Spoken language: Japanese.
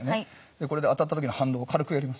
これで当たった時の反動を軽くやります。